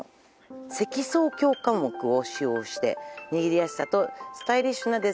「積層強化木を使用して」「握りやすさとスタイリッシュなデザインを」